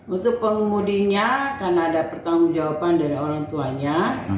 untuk pengemudinya karena ada pertanggung jawaban dari orang tuanya